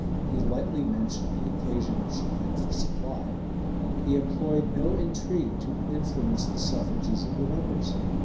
He lightly mentioned the occasion which he had for supply.[*] He employed no intrigue to influence the suffrages of the members.